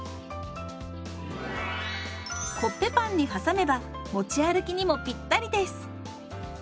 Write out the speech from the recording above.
コッペパンにはさめば持ち歩きにもぴったりです！